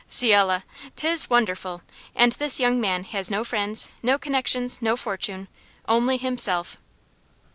"Ciel! 'tis wonderful! And this young man has no friends, no connections, no fortune! only himself."